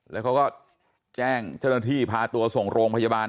แล้วเขาก็แจ้งเจ้าหน้าที่พาตัวส่งโรงพยาบาล